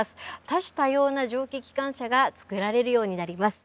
多種多様な蒸気機関車が作られるようになります。